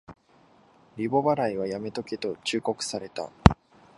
リボ払いはやめとけと忠告された